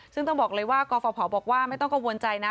ซึ่งต้องบอกเลยว่ากรฟภบอกว่าไม่ต้องกังวลใจนะ